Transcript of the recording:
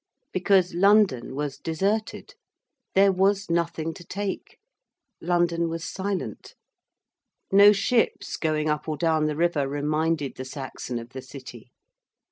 Because London was deserted; there was nothing to take: London was silent. No ships going up or down the river reminded the Saxon of the City.